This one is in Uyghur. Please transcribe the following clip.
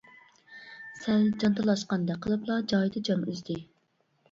سەل جان تالاشقاندەك قىلىپلا جايىدا جان ئۈزدى.